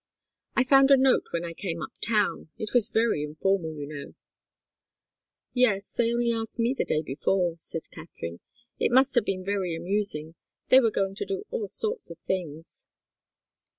"I found a note when I came up town. It was very informal, you know." "Yes they only asked me the day before," said Katharine. "It must have been very amusing. They were going to do all sorts of things."